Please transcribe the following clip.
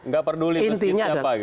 nggak peduli meski siapa gitu